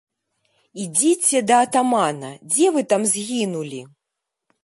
Ідзіце да атамана, дзе вы там згінулі?